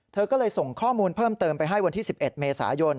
เธอก็เลยส่งข้อมูลเพิ่มเติมไปให้วันที่๑๑เมษายน